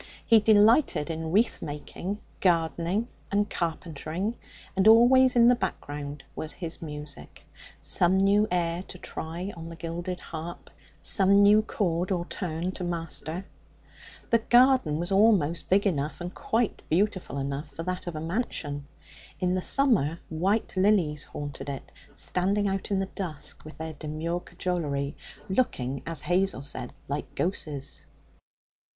He delighted in wreath making, gardening, and carpentering, and always in the background was his music some new air to try on the gilded harp, some new chord or turn to master. The garden was almost big enough, and quite beautiful enough, for that of a mansion. In the summer white lilies haunted it, standing out in the dusk with their demure cajolery, looking, as Hazel said, like ghosses.